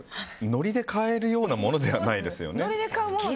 ノリで買えるようなものではないですよね。